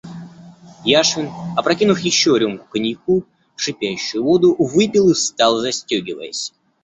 Яшвин, опрокинув еще рюмку коньяку в шипящую воду, выпил и встал, застегиваясь.